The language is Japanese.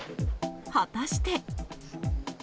果たして。